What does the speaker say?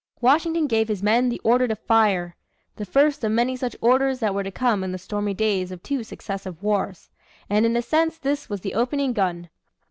Washington gave his men the order to fire the first of many such orders that were to come in the stormy days of two successive wars and in a sense this was the opening gun.